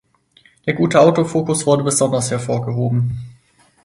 Der gute Autofokus wurde besonders hervorgehoben.